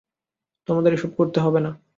তোমাদের এসব করতে হবে না।